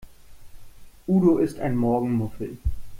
Udo ist ein Morgenmuffel.